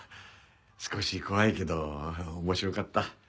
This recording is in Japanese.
少し怖いけど面白かった。